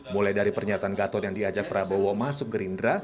mulai dari pernyataan gatot yang diajak prabowo masuk gerindra